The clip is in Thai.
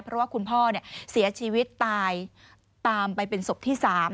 เพราะว่าคุณพ่อเสียชีวิตตายตามไปเป็นศพที่๓